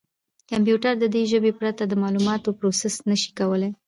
کمپیوټر د دې ژبې پرته د معلوماتو پروسس نه شي کولای.